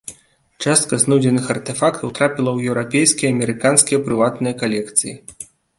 Частка знойдзеных артэфактаў трапіла ў еўрапейскія і амерыканскія прыватныя калекцыі.